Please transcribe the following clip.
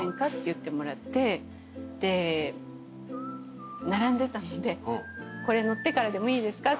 言ってもらってで並んでたのでこれ乗ってからでもいいですか？